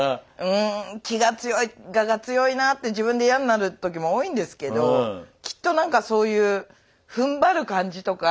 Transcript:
うん気が強い我が強いなって自分で嫌になる時も多いんですけどきっと何かそういうふんばる感じとか。